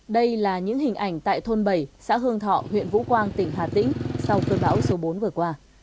đây là những hình ảnh tại thôn bảy xã hương thọ huyện vũ quang tỉnh hà tĩnh sau cơn bão số bốn vừa qua